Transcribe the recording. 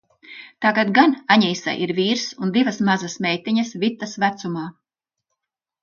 Tagad gan Aņīsai ir vīrs un divas mazas meitiņas Vitas vecumā.